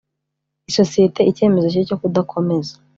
Isosiyete icyemezo cye cyo kudakomeza